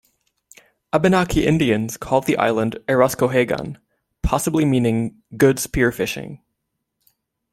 Abenaki Indians called the island Erascohegan, possibly meaning good spear-fishing.